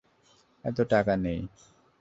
এতো টাকা নেই।